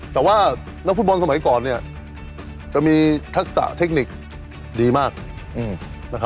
แต่ว่านักฟุตบอลสมัยก่อนเนี่ยจะมีทักษะเทคนิคดีมากนะครับ